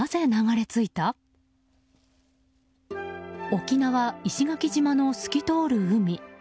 沖縄・石垣島の透き通る海。